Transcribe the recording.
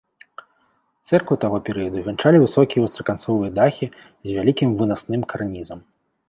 Цэрквы таго перыяду вянчалі высокія востраканцовыя дахі з вялікім вынасным карнізам.